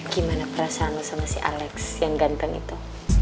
gimana perasaan lo sama si alex yang ganteng itu